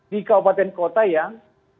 di kabupaten kota yang